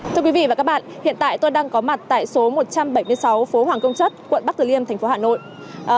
thưa quý vị và các bạn hiện tại tôi đang có mặt tại số một trăm bảy mươi sáu phố hoàng công chất quận bắc tử liêm thành phố hà nội